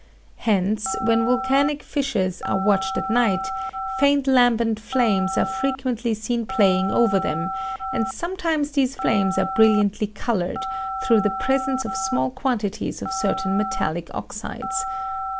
Hence, when volcanic fissures are watched at night, faint lambent flames are frequently seen playing over them, and sometimes these flames are brilliantly colored, through the presence of small quantities of certain metallic oxides.